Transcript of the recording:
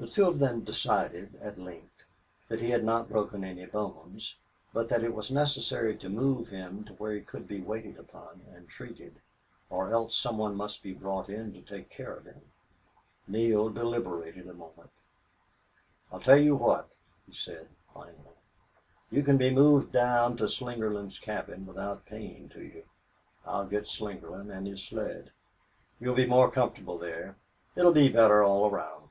The two of them decided, at length, that he had not broken any bones, but that it was necessary to move him to where he could be waited upon and treated, or else some one must be brought in to take care of him. Neale deliberated a moment. "I'll tell you what," he said, finally. "You can be moved down to Slingerland's cabin without pain to you. I'll get Slingerland and his sled. You'll be more comfortable there. It'll be better all around."